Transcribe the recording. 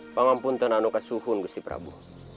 pangampun tenanuka suhun gusti prabu